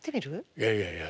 いやいやいや。